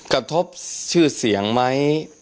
กระทบชื่อเสียงไหม